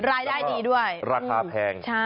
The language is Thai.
รายได้ดีด้วยราคาแพง